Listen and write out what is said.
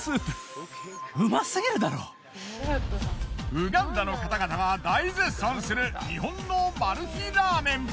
ウガンダの方々が大絶賛する日本のマル秘ラーメン。